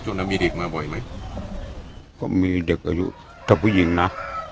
นั้นมีเด็กมาบ่อยไหมก็มีเด็กอายุถ้าผู้หญิงนะ